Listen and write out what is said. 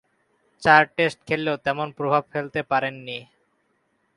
চার টেস্ট খেললেও তেমন প্রভাব ফেলতে পারেননি।